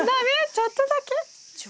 ちょっとだけ？